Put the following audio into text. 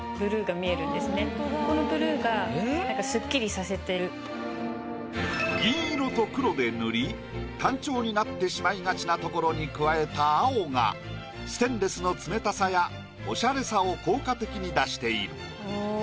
このブルーが銀色と黒で塗り単調になってしまいがちな所に加えた青がステンレスの冷たさやおしゃれさを効果的に出している。